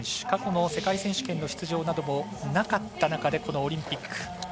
過去の世界選手権の出場などもなかった中でこのオリンピック。